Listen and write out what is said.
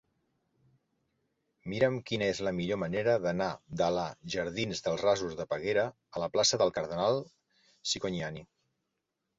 Mira'm quina és la millor manera d'anar de la jardins dels Rasos de Peguera a la plaça del Cardenal Cicognani.